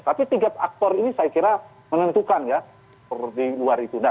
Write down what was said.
tapi tiga aktor ini saya kira menentukan ya di luar itu